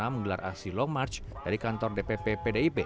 menggelar aksi long march dari kantor dpp pdip